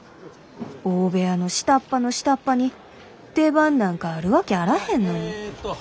大部屋の下っ端の下っ端に出番なんかあるわけあらへんのに。